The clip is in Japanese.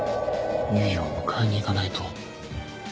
唯を迎えに行かないと。